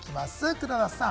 黒田さん。